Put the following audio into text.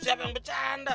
siapa yang becanda